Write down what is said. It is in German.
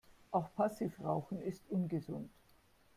Auch Passivrauchen ist ungesund.